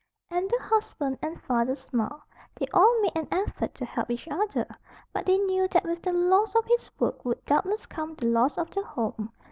And the husband and father smiled. They all made an effort to help each other. But they knew that with the loss of his work would doubtless come the loss of the home.